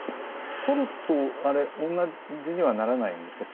取るとあれ同じにはならないんですか。